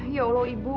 ya allah ibu